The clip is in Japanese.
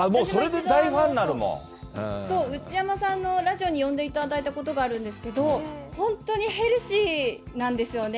内山さんのラジオに呼んでいただいたことがあるんですけど、本当にヘルシーなんですよね。